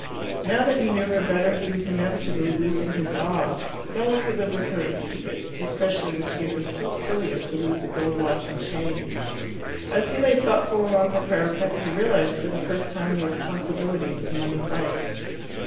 Now that he knew her better, he was inevitably losing his awe: no one could live with her and keep it, especially when she had been so silly as to lose a gold watch and chain. As he lay thoughtful along the parapet, he realized for the first time the responsibilities of monied life.